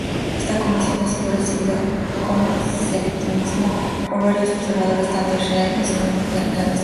Esa comisión ha sido recibida con escepticismo por varios observadores tanto israelíes como internacionales.